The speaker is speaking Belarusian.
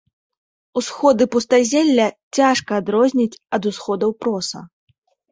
Усходы пустазелля цяжка адрозніць ад усходаў проса.